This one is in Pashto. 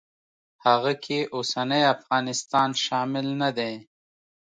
هغه کې اوسنی افغانستان شامل نه دی.